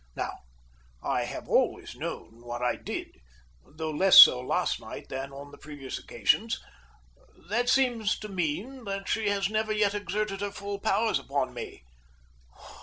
Now, I have always known what I did, though less so last night than on the previous occasions. That seems to mean that she has never yet exerted her full powers upon me.